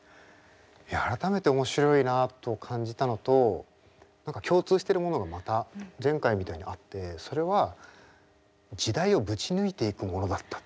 いや改めて面白いなと感じたのと何か共通してるものがまた前回みたいにあってそれは時代をぶち抜いていくものだったっていう。